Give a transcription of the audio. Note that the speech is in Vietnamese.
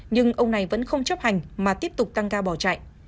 nhưng ông này vẫn không chấp hành mà tiếp tục tăng ca bò chạy